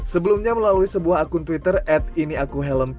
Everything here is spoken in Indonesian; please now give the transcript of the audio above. sebelumnya melalui sebuah akun twitter